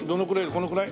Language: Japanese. このくらい？